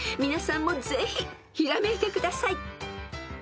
［皆さんもぜひひらめいてください］